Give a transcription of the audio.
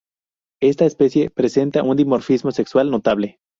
Esta especie presenta un dimorfismo sexual notable.